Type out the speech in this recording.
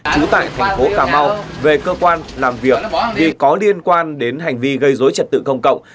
trú tại thành phố cà mau về cơ quan làm việc vì có liên quan đến hành vi gây dối trật tự công cộng